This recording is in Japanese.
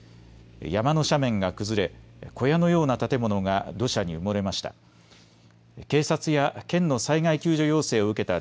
山の斜面が崩れ、小屋のような建物が土砂に埋もれました。